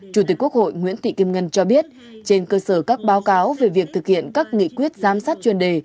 chủ tịch quốc hội nguyễn thị kim ngân cho biết trên cơ sở các báo cáo về việc thực hiện các nghị quyết giám sát chuyên đề